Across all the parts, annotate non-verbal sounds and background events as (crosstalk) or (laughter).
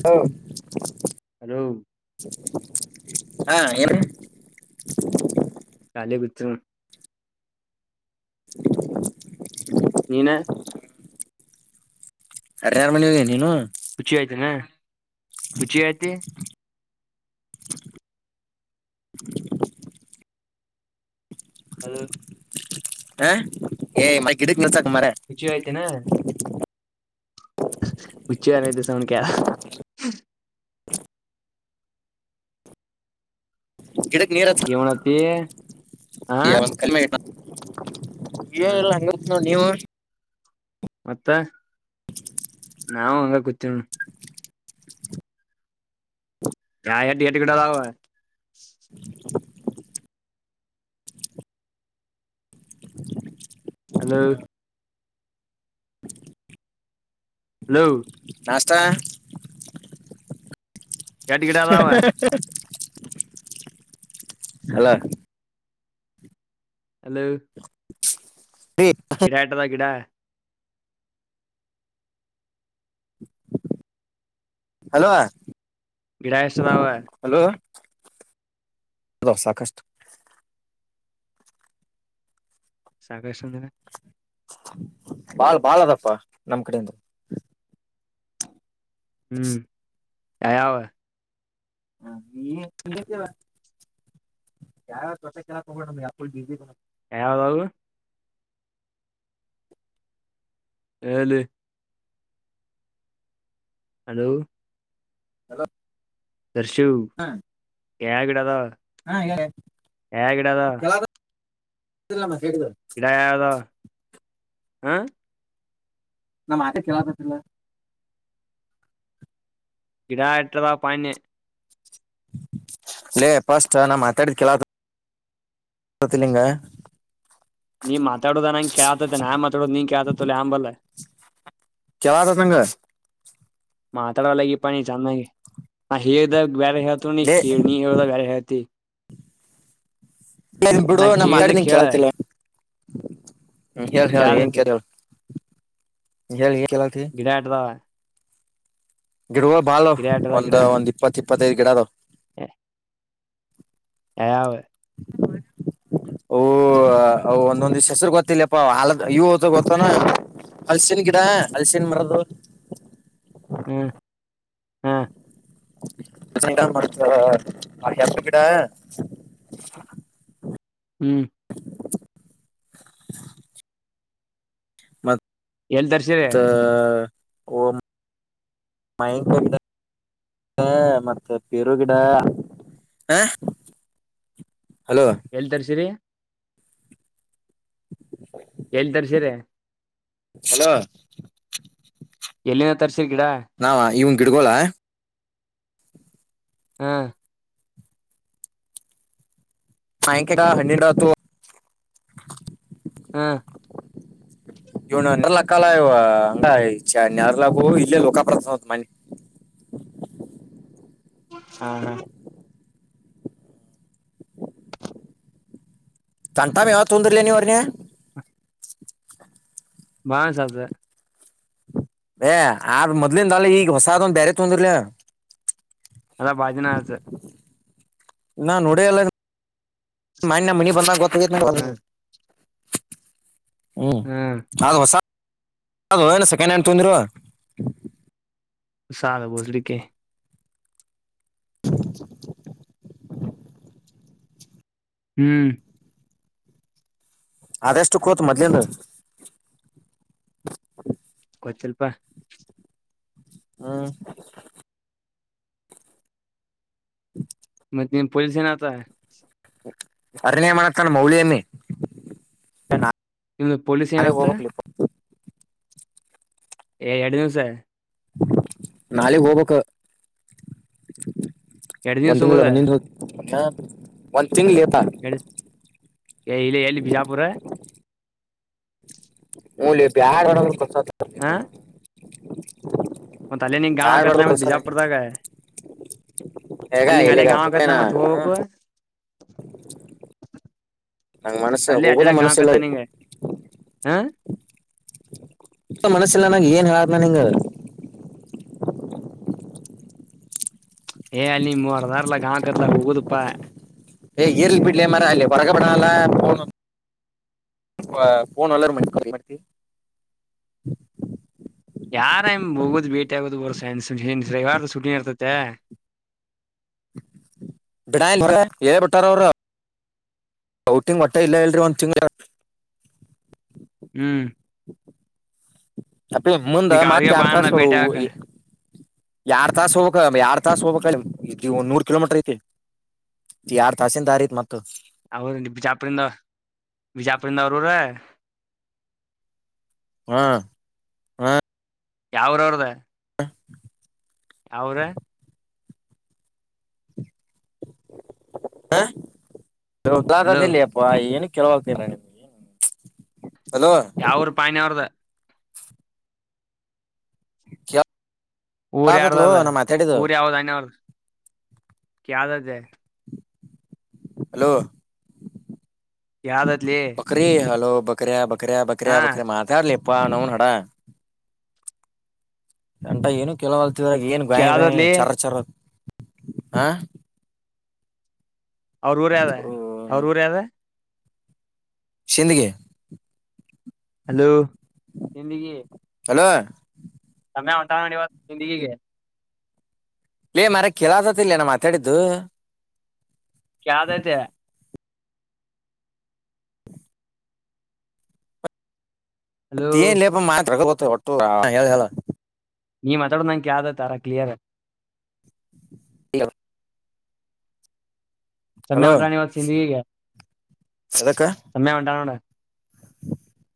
ಹ ಹಲೋ ಹಾ ಏನು ಕಲೆ ಬಿತ್ರ (inaudible) ನೀನ ಹರಿನಾರು ಮನ ಹಿ ನೀನು ರುಚಿ ಆಯ್ತನಾ ರುಚಿ ಆಯ್ತಿ (unintelligible) ಹಲೋ ಹ ಏ್ ಮೈ ಹುಚಿಯತ ನ ಪುಚ್ಚೆನ ದಸಣ ಕ (inaudible) ಗಿಡಕ್ ನೀರ ಏವಣತಿ ಹಾ ಕಮೆ ಹ ಲ್ಲ ನತ್ ನೋಡಿ ನೀವು ಮ್ಯಾಥೆ ನಾವು ಹಂಗ ಕೂತ ಹೆಟ ಎಟಿಕಡದಾವ (inaudible) (inaudible) ಹಲೋ (inaudible) ಹ್ಹೋ ತ್ತಾ ಎಟ್ ಗಿಡ ಅದಾವ (inaudible) ಹಲೋ ಹಲೋ (inaudible) ಕೆಡಾ ಹಟದ ಕೆಡಾ ಹಲೋ ಗಡಷ್ಟದಾವ ಹಲೋ ಅದ ಸಾಕಷ್ಟು ಸಾಕಷಂದಿನ ಬಾಳ್ ಬಾಳ ಅದಪ್ಪ ನಮ್ ಕಡೆಯಿಂದ ಹ್ಮ್ ಯಾವ ಹ ನೀವ ಯಾವ ತೊಟ ಕೆಲ್ಲ ತಗೋಣ ನಮ್ ಯಾಕು ಯಾವದ ಆಲೆ ಹಲೋ ಹಲೋ ದರ್ಶು ಯ ಕೆಡಾದ ಹಾ ಹೇಳ ಇಡದ ಹ ನ ಮ ಕೇಳತಲ್ಲ ಗಿಡಾಟಲ ಪಾಣೆ ೇ ಪಸ್ಟ್ನ ಮಾತಾಡಿ ಕೆಲ ತಿಲಿಂಗ ನೀ ಮಾತಾಡುದ ನಂಗ ಕೇಳ್ತೈತಿ ನಾನ್ ಮಾತಾಡೋುದು ನೀನ್ ಕೇಳ್ತೈತಲ್ಲ ಅಂಬಲ್ಲ ಕೆಲತ ಸಂಂಗ ಮಾತಾಡವಲ್ಲಗ ಈಪ್ಪಾಣಿ ಚೆನ್ನಾಗಿ ಹೇಗಾಗ ಬ್ಯಾರತ ನೀ ಲೇ ಕೇ ನೀ ಬತಿ ಬಿಡು ನಾ್ ಮಾತಾಡ ಕೇಳಿದ ನಿ ಕೇಳ ಕಲತಿಲ್ವಾ ಹೇಳಿ ಹೇಳಿ ಏನ್ ಕೇಳತೈತಿ ಕೇಳ ಹೇಳಿ ಹೇಳಿ ಗಡ್ಯಾಟದ ಗಿಡಗಳು ಬಾಳ ಗಿಡ ಒಂದ್ ಒಂದ್ ಇಪ್ಪತ್ತು ಇಪ್ಪತ್ತೈದು ಗಿಡದು ಹ್ಮ ಯಾವ ಯಾರ್ (inaudible) ಅ ಒಂದೊಂದ್ ದಿಸ್ ಹೆಸರು ಗೊತ್ತಿಲ್ಲಪ್ಪ ಹಲದ ಇವು ಹ್ ಗೊತ್ತಾನ ಅಲ್ಸಿನ ಗಿಡ ಅಲಸನ್ ಮರೋದು ಹ್ಮ್ ಹ್ಮ್ ಂಗ ಮ ಯ ಗಿಡ ಹ್ಮ್ ಎಲ್ ತರ್ಸಿರಿ ಮತ್ತತ್ತ ಒ ಮಾಯಿಂ ಕೊ ಮತ್ತೆ ಪೇರು ಗಿಡ ಹ ಹಲೋ ಎಳ್ ತರ್ಸಿರಿ ಎಳ್ ತರ್ಸರೆ ಹಲೋ ಎಲ್ಲಿನ ತರ್ಸಿರ್ ಗಿಡ ಗಿಡ್ಗೋಳ ಹಾ ಆಾಯಂಕಡ ಹನ್ನೆರಡುತ್ತು ಹ್ಮ ಇ ನಲ್ಲಕ್ಕಾಲಯ ನಾರಲ ಇಲ್ಲ ಲೋಕ ಪ್ರ್ರಸತ ಮನೀ ಹಾ ಹಾ ತನ್ಟಾಮ ಯಾವ್ದ್ ತೊಂದರ್ಲ ನೀವ್ರನ ಬಾ ಸದ ಏ ಆದ ಮೊದ್ಲಿಂದಾಲ ಈಗ ಹೊಸಾದೊಂದ ಬೇರೆ ತೊಂದರ್ಲ ಅದ ಬಾಜಿನ ಆಸ ನಾನ್ೋಡಲ್ಲ ಮ ನ ಮನ್ನಿ ಬಂದಾಗ ಗೊತ್ತ ಹ ಹ್ಮ್ ಅದು ಹೊಸ ಅಏನು ಸೆಕೆಂಡ್ ಹ್ಯಾಂಡ್ ತೊಗೊಂದಿರುವ ಸಾಲ ಬೋಸಡಿಕೆ ಹೋದ (inaudible) ಹ್ಮ್ ಅದೆಷ್ಟು ಕೋತ್ ಮೊದ್ಲೇಂದ ಗೊತ್ತಿಲ್ ಪಾ ಹ್ಮ್ ನಿನ್ಪೊಜಿಷನ್ ಆತ ಅರಿಣಯ ಮಾಡತಾನ ಮೌಳನ್ನಿ ನಿಮ್ದು ಪೊಲೀಸ್ ಏನತ್ತ ಏ.... ಎರಡು ದಿವ್ಸ ನಾಳಗ್ ಹೋಗ್ಬೇಕ ಎರಡ್ ದಿವ್ಸ ಒಂದ್ ತಿಂಗಳ ಹೋಗೋದ ಹೋಗ ಒಂದ್ ತಿಂಗ್ಳ ತ ಎರಡ್ ಇಲ್ಲಿ... ಎಲ್ಲಿ... ಬಿಜಾಪುರ ಹೂ ಲೆ ಬ್ಯಾಡ ಒಡಸ (unintelligible) ಹಾ ಮತ್ತೆ ಅಲ್ಲೇ ನೀ ಯಾರ್ ಗಾವಕತ್ಲ್ಲ ಮತ ಬಿಜಾಪುರದಾಗ ಹಗ... ಎಲ್ಲಗಾ ಗೊತ್ತೇನ ಹೋಗ್ಬೇಕು ನಂಗ್ ಮತ್ತ್ ಮನಸಗ ಅಲ್ಲೇ ಹೋಗದ ಅಡ್ಡಾಡಕ್ ಗಾಂವ್ ಮನಸ ಇಲ್ಲ ಆಕತ್ಲ ನಿಂಗ ಹಾ ಮನಸ್ಸಲ್ಲ ನಾಗ ಏನ್ ಹೇಳ್ದ್ ನ ಹಿಂಗ ಏ ಅಲ್ಲಿ ಮೂವರ್ದಾರಲ ಗಾ ಕತ್ಲ ಹಗದುಪ್ಪಾ ಏ ಇರ್ಲಿ ಬಿಡಲೇ ಮಾರ ಅಲ್ಲಿ ಹೊರಗಬಡಾಲ್ಲ ನ್ ನಲ್ಲರ ಮ ಮಾಡತಿ (unintelligible) ಯಾರ ಎ (unintelligible) ಹೋಗುದು ಬೇಟಿಗೋದು ಬರದು ರವಿವಾರ್ ಸೂಟಿ ಇರ್ತತಿ ತೆ. (unintelligible) ಬಿಡಾಲ್ಲ ಹೇಳ ಬಟ್ಟಾರ ಅವರ ಔಟಿಂಗ್ ವಟ್ಟೆ ಇಲ್ಲ ಎಲ್ರಿ ಒಂದ ಎರಡ ಹ್ಮ್ ಅಪ್ಪೇ ಮುಂದ ಈಗ ಮತ್ತೆ ಅವ್ರಿಗೆ ಬಾ ಯಾಡ್ ಅನ್ಲ ತಾಸು ಭೇಟಿ ಆಗಾಕ ಹೋಗಿ ಯಾಡ ತಾಸ ಹೋಗಬೇಕ ಯಾಡಾ ತಾಸ ಹೋಗಬಬೇಕ ನೂರ್ ಕಿಲೋಮೀಟರ್ ಐತಿ ಯಾಡಾ ತಾಸಿನ ದಾರಿ ಐತಿ ಮತ್ತೆ ಅವ ಬಿಜಾಪುರಿಿಂದ.... ಬಿಜಾಪುರಿಿಂದ ಅವರು ರ ಹಾ ಹಾ ಯಾವ್ ಯೂರೂ ಅವ್ರದ (unintelligible) ಯಾವೂರ ಹಲೋ ಹದಾಾದದಲ್ಲಪ್ಪ (unintelligible) ಕೆಲವಲ್ತ ನಡಿ (inaudible) ಯಾವ್ ಊರ್ ಪಾಯನ ಅವ್ರದ ಕ (unintelligible) ಊರ್ ಯಾರ್ದ ಅದ... ಊರ್ ಯಾವದ (unintelligible) ಅವ್ರ ಕ್ದ ಅ್ದ ಹಲೋ..... ಯಾವ್ದೈತ್ಲಿ ಬಕರಿ ಹಲೋ ಬಕರಿ ಬ ಬಕರಯ.. ಬಕರಯ.. ಹಾ ಬಕರ.... ಮಾತಾಡ್ ಲೇಪ್ಪ್ ನವ್ವನ್ ಹಡ ಎಂಟ ಏನು ಕೆಲವಲ್ತಿದ ಏನ್ ಗಾಯ ಗಾಯಿ ಕೇಳದತ್ಲಿ ಚರ ಚರರ್ದ (unintelligible) ಹಾ ಅವ್ರ್ ಊರ್ ಯಾದ ಅವ್ರ್ ಊರ್ ಯಾದ ಸಿಂದಗಿ ಹಲೋ... ಸಿಂದಗಿ ಹಲೋ ತಮ್ಮೆ ಹೊಂಟಾನ ನೋಡಿ ಇವತ್ ಸಿಂದಗಿಗೆ ಲೆ ಮರಯ... ಕೆಲ ಆತತಿ ಇಲ್ಲಯನ ಮಾತಾಡಿದ್ದು ಕೇಳತೈತೆ ಹಲೋ ಮತ್ತಲೇಪ... ಮಾತಾಡೋ ಗೊತ್ತು ಹೊಟ್ಟು ಹೇಳಲ್ಲ (unintelligible) ನೀ ಮಾತಾಡುದ್ ನಂಗ ಕ್ಯಾಲಕತ್ತ ಆರ ಕ್ಲಿಯರ್ ಹೋ (unintelligible) ಚಮ್ಮ್ಯ ಹಲೋ ಹೊಂಟಾನ ಸಿಂದ್ಗೀಗೆ ಎದಕ್ಕ (unintelligible) ಸಮಮ್ಮಯ ಮಟಾನೋಡ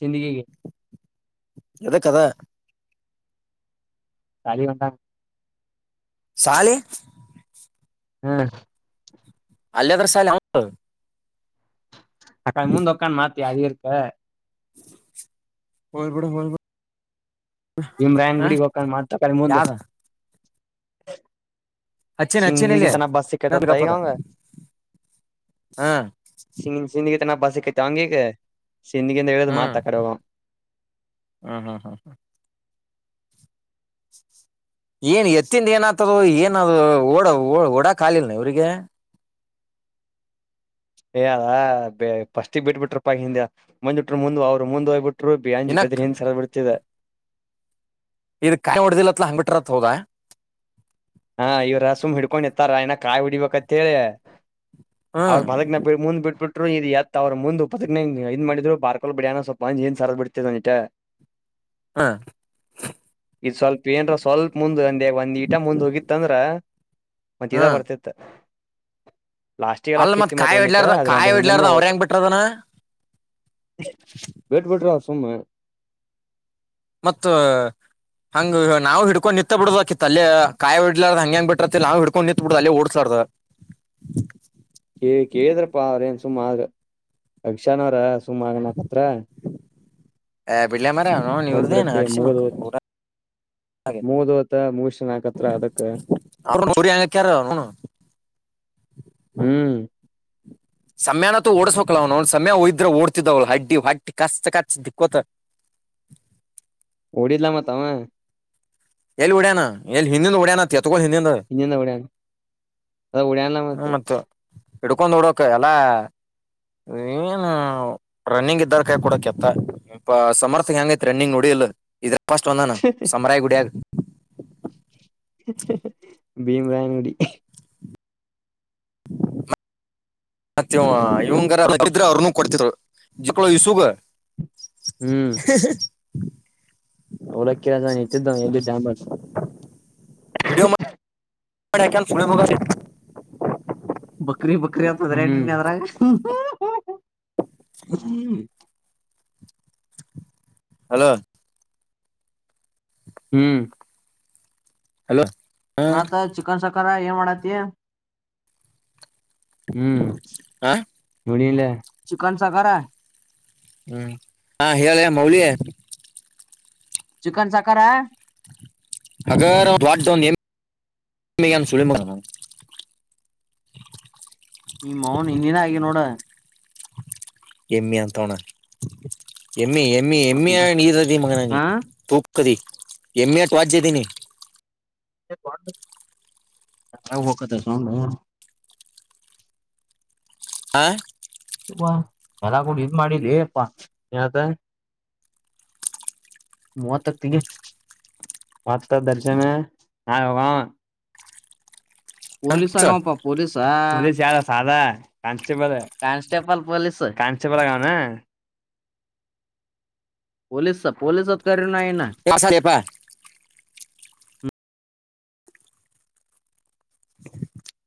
ಜಿಂದಗಿಗೆ ಎದ ಕದಾ (unintelligible) ಶಾಲಿ ಹ ಅಲ್ಲದ್ರಸಾಲ (unintelligible) ಅಕ್ಕಾ ಮೂಂದೊಕ್ಕನ್ ಮಾತಿ ಅಳಿರ್ಕ ಹಯಬಡ ಹಲ್ಬ (unintelligible) ಇಮ್ರಾಯನ್ ಗುಡಿಗೆ ಹೊಕ್ಕನ್ ಮ ತಕಳ್ ಮುಂದ್ ಯಾವ್ದ ಅಚ್ಚೇನ ಸಿಂದಗಿ ಅಚ್ಚೇನಲ್ಲಿಯ ತನ ಬಸ್ ನು ಸಿಕ್ಕೈತತ್ತ ಈಗ ಗಪ್ಪದ ಅವಂಗ ಹಾ ಎನ ಬಾಸಿಕ ತಾಂಗಗೆ (unintelligible) (unintelligible) ಚಿಂತಕಂತ ಹೇಳದು ಹ್ಮ್ ಮಾತ್ರಕ್ಕ ರೋಗ ಹ್ಮ್ ಹ್ಮ್ ಹ್ಮ್. ಏನ್ ಎತ್ತಿಂಡ್ ಏನ ಆತದು ಏನ ಅದು ಓಡ ಓ ಓಡಾಕಾಲಿಲ್ನ ಇವ್ರಿಗೆ ಏ ಅದ ಬೆ ಫಸ್ಟಿ ಬಿಟ್ಬಿಟ್ರ ಪ ಹಿಂದೆ ಮುಂದ್ ಬಿಟರು ಮುಂದ್ ಅವ್ರು ಮುಂದ್ ಹೋಗ್ಬಿಟ್ ಟ್ರು ಬಿ ಅಂಜು ಇನ್ನ ಬದ್ರ ಕ- ಹಿಂದ್ ಸಲ ಬರ್ತಿದೆ ಇ ಕಾಯಿ ಹೊಡ್ದಿಲ್ಲತ್ ಹಂಗ್ (unintelligible) ಬಿಿಟ್ರತ್ ಹೋಗ ಹಾ ಇವ್ರ ಸುಮ್ ಹಿಡ್ಕೊಂಡ ನಿಂತ್ತಾರ ಇನ ಕಾಯಿ ಹೊಡಿಬೇಕಂತ್ ಹೇಳಿ ಹ್ಮ್ ಅವರು ಬಲಗ್ನ ಬಿ ಮುಂದ್ ಬಿಟ್ಬಿಟ್ ಇ (unintelligible) ಎತ್ ಅವರು ಮು್ (unintelligible) ಪತ್ತನ ಇದ್ ಮಾಡಿದ್ ಪಾರ್ಕೊಂ (unintelligible) ಡ ಬಿಡ ಅಾನೋ ಸ್ವಲ್ಪಂದ ಏನ್ ಸರದ್ ಬಿಡ್ತ್ (unintelligible) ಹ್ಮ್ ಇದು ಸ್ವಲ್ಪ ಏನ್ರ ಸ್ವಲ್ಪ ಮುಂದೆ ಒಂದೆ ಒಂದ್ ಇಟ ಮುಂದ ಹೋಗಿ ಇತ್ತಂದ್ರ ಮ ಹ್ಮ್ ಬರ್ತಿತ್ತ ಲಾಸ್ಟಿಗೆಲ್ಲ ಅಲ್ಲ ಅಕ್ಕಿತಿ ಮತ್ ಕಾಯಿ ಒಂದಿಟ್ಟ ಹೊಡ್ಲಾರ್ದ ಆದದ್ರೆ ಕಾಯಿ ಅ್ರ ಹನ್ನಂದ ಹೊಡ್ಲಾರ್ದ ಅವ್ರ ಹೋತ ಹೆಂಗ್ ಬಿಟ್ರದನ (unintelligible) (unintelligible) ವಟ್ ಬಿಟರ ಸುಮ್ಮ ಮತ್ ಹಂಗ್ ನಾವ್ ಇಡ್ಕೊಂಡು ನಿಂತ್ ಬಿಡ್ ಬೇಕಿತ್ ಆ ಅಲ್ಲಿ ಕಾಯಿ ಇಡ್ಲಾರದ ಹಂಗೆ (unintelligible) ಬಿರತತಿ ನಾವು ಹಡ್ಕೊಂಡು ನಿಂತತ್ ಬಿಡುದ ಅಲ್ಲಿ ಓಡ್ಸಾರರ್ ಬ ಎಲ್ಲೆಂಟ್ (inaudible) ಕ ಕೇಳಿದ್ರಪ್ಪಾ ಅವ್ರ ಏನ್ ಸುಮ್ ಆ ಅಕ್ಷನ್ ಅವ್ರ ಸುಮ್ ಆಗಣಕತ್ರ ಹ (unintelligible) ಪಳ್ಳ ಮರ (unintelligible) ನೀವರುದನ ಬಿಡತ್ತೆ ಅಡಿಸಿಿ ಮುಗ್ದ ಮಕ್ಕ ಹೋತ್ ಪೂರ (unintelligible) ಹಾಗ ಮುಗ್ದ ಹೋತ ಮುಗಿಸ್ಯಾನ್ ಆಕತ್ರ ಅದಕ್ಕ (unintelligible) (unintelligible) ಹ್ಮ್ ಸಮಯಾನೂ ಓಡಸ್ಕ್ಲ ಅವ್ ನ ಸಮಯ ಒಯ್ದ್ರ (unintelligible) ಓಡ್ತಿದವ ಹಡ್ಡಿ (unintelligible) ಹೊಟ್ಟಿ ಕಾ ಕಚ್ (unintelligible) ದಿಕ್ಕೋತ್ (inaudible) ಬಿಡಿಲ ಮಾತಾ (unintelligible) ಎಲ್ಲಿ ಉಡ್ಯಣ ಎಲ್ಲಿ ಹಿಂದಿನನ್ ಉಡ್ಯನ (unintelligible) (unintelligible) ಇನ್ನಂದ ಎಡ ಅದ ಎಡನ್ಲ್ಲ ಮತ್ತ (unintelligible) ಇಡ್ಕೊಂಡೊಂಡ್ ಡೋಕ್ ಎಲ್ಲ (unintelligible) (unintelligible) ರನ್ನಿಂಗ್ ಇದ್ದಾರ ಕೈ ಕೂಡ ಕೆತ್ತ ಇ ಸಮರ್ಥಕ ಹೆಂಗೈತಿ ರನ್ನಿಂಗ್ ನೋಡಿಲ್ಲ ಇಫಸ್ಟ್ ಒಂದಾನ ಸಮರಾಯ ಗುಡಿಯ (unintelligible) ಭೀಮರಾಯನಡಿ ಮತ್ತ (unintelligible) ಇವಂಗರಿದ್ರೆ ಅವ್ರನುೂ ಕೊಡ್ತಿಿದ್ರು ಜಕ್ಕಳ ಇಸುಗ (unintelligible) ಹ (inaudible) (unintelligible) ಒಳಕ್ಕರ ಎಲ್ಲಿ (unintelligible) ಮ ವಿಡಿಯೋ (unintelligible) (unintelligible) ಬಕ್ರೀ ಬಕ್ರ ಅಂತ ಅದ್ರೆ ಎದ್ರಾಗ (unintelligible) ಹಲೋ ಹ್ಮ್ ಹಲೋ ಹಾ ಮತ್ತ ಚಿಕನ್ ಸಖರಾ ಏ ಮಾಡತಿ ಹ್ಮ್ ಹಾ ಮುಡಿಲ್ಲ ಚಿಕನ್ ಸಾಗರ (unintelligible) ಹ್ಮ್ ಹಾ ಹೇಳೆ ಮೌಳಿ ಚಿಕನ್ ಸಕ್ಕರ (unintelligible) ಹಗ (inaudible) (inaudible) ಈ ಮೌನ್ ಹಿಂದಿನ ಆಗಿ ನೋಡ (unintelligible) ನಿಯಂಂತೋಣ್ಣ ಎಮ್ಮೆ ಎಮ್ಮೆ ಎಮ್ಮೆ ನೀರು ಅದಿ ಮಗನ ಹ ತೂಕ್ದಿ ಎಮ್ಮೆ ಟ್ ವಾಜದೀಿನಿ (unintelligible) (inaudible) ಆ (unintelligible) ಹ ತುಪ್ಪಾ ಎಲ್ಲ ಕೂಡ ಇದ್ ಮಾಡಿದ ಅಪ್ಪಾ ಏನತ ಮೂವಗ (unintelligible) ಮತ್ತೆ ದರ್ಜನ್ ಆ ಹೋಗ (unintelligible) ಹ? ಪೋಲೀಸ್ ಸ- ಆಗಪ್ಪಾ ಪೋಲೀಸಾ ಯಾರ ಸಾಧಾ ಕಾನ್ಸ್ಟೇಬಲ್ ಕಾನ್ಸ್ಟೇಬಲ್ ಪೊಲೀಸ್ ಕಾನ್ಸ್ಟೇಬಲ್ಗ (unintelligible) ಪೊಲಸ್ ಪೊಲಸ್ ಅದಕಾರಿ ಎಸರಿಪ್ಪ (inaudible) ಹ (inaudible) (inaudible)